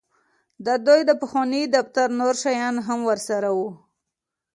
د دوی د پخواني دفتر نور شیان هم ورسره وو